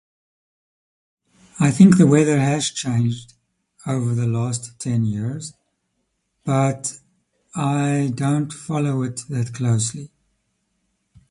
I think the weather has changed over the last ten years. But I don't follow it that closely.